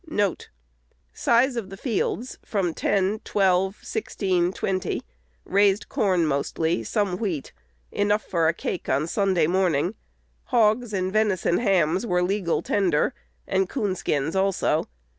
1 1 "Size of the fields from ten, twelve, sixteen, twenty. Raised corn mostly; some wheat, enough for a cake on Sunday morning. Hogs and venison hams were legal tender, and coon skins also.